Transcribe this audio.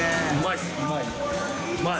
うまい！